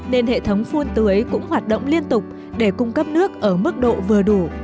nên hệ thống phun tưới cũng hoạt động liên tục để cung cấp nước ở mức độ vừa đủ